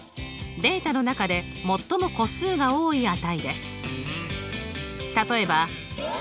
データの中で一番個数が多いデータ。